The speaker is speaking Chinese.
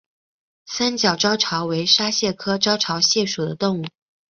三角招潮为沙蟹科招潮蟹属的动物。